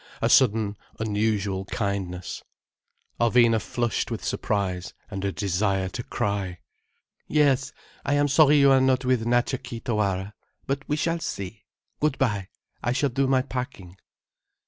A sudden unusual kindness. Alvina flushed with surprise and a desire to cry. "Yes. I am sorry you are not with Natcha Kee Tawara. But we shall see. Good bye. I shall do my packing."